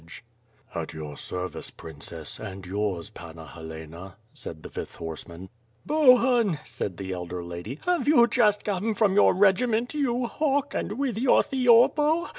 WITH FIRE AND SWORD. 45 "At your service, Princess; and yours, Panna Helena," said the fifth horseman. "Bohun," said the elder lady, "have you just come from your regiment, you hawk, and with your theorbo?